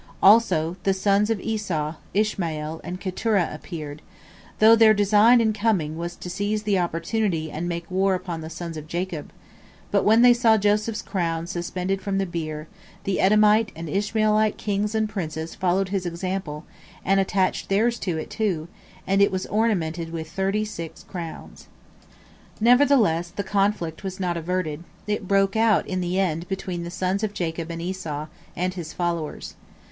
Also the sons of Esau, Ishmael, and Keturah appeared, though their design in coming was to seize the opportunity and make war upon the sons of Jacob, but when they saw Joseph's crown suspended from the bier, the Edomite and Ishmaelite kings and princes followed his example, and attached theirs to it, too, and it was ornamented with thirty six crowns. Nevertheless the conflict was not averted; it broke out in the end between the sons of Jacob and Esau and his followers.